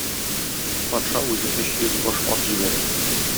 Патша үзе өч йөз баш ат җибәрә.